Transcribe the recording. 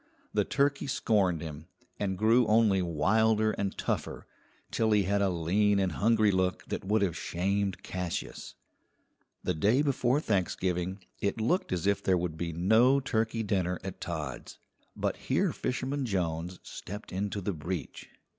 The turkey scorned him, and grew only wilder and tougher, till he had a lean and hungry look that would have shamed Cassius. The day before Thanksgiving it looked as if there would be no turkey dinner at Todd's, but here Fisherman Jones stepped into the breach.